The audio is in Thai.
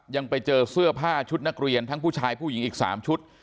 ยังไปเจอเสื้อผ้าชุดนักเรียนทั้งผู้ชายผู้หญิงอีก๓ชุด